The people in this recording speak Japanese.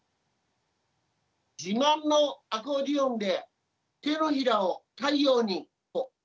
自慢のアコーディオンで「手のひらを太陽に」を演奏いたします。